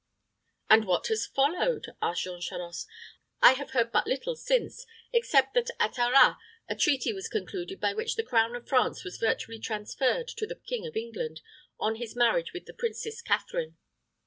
"And what has followed?" asked Jean Charost. "I have heard but little since, except that at Arras a treaty was concluded by which the crown of France was virtually transferred to the King of England on his marriage with the Princess Catharine."